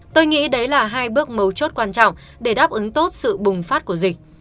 tôi nghĩ đấy là hai bước mấu chốt quan trọng để đáp ứng tốt sự bùng phát của dịch